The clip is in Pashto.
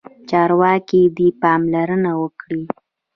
چارواکي دې پاملرنه وکړي.